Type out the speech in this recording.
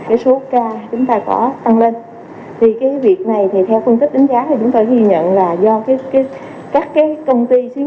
atpca chúng ta có tăng lên